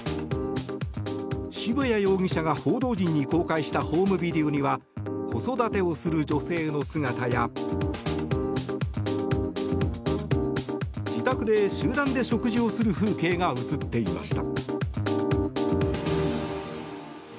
渋谷容疑者が報道陣に公開したホームビデオには子育てをする女性の姿や自宅で集団で食事をする風景が映っていました。